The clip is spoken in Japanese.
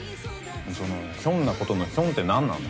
そのひょんなことのひょんって何なんだ？